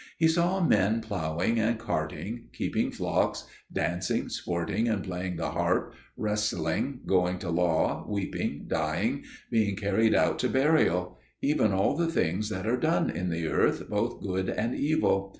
He saw men ploughing and carting, keeping flocks, dancing, sporting, and playing the harp, wrestling, going to law, weeping, dying, and being carried out to burial: even all the things that are done in the earth, both good and evil.